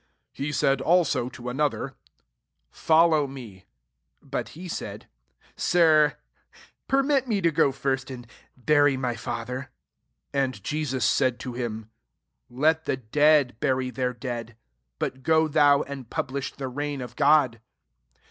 59 He said also to another, ♦* Follow me," But he satd^ '<Sir, peiTMit me to go first and bury my father." §> And iJesua'] said to him, " Let the dead bury their dead: but go thou, and publish the reign of God."